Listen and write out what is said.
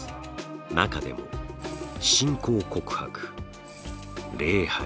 中でも信仰告白礼拝